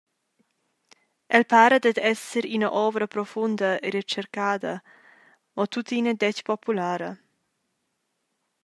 El para dad esser ina ovra profunda e retschercada, mo tuttina dètg populara.